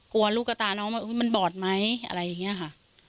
กลัวลูกกับตาน้องว่ามันบอดไหมอะไรอย่างนี้ค่ะ